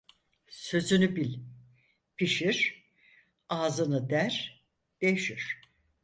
Sözünü bil, pişir; ağzını der, devşir.